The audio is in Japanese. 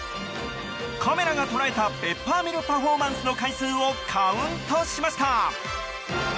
カメラが捉えたペッパーミルパフォーマンスの回数をカウントしました。